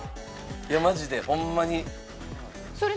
マジでホンマに。